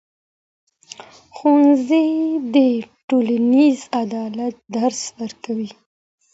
ښوونځی د ټولنیز عدالت درس ورکوي.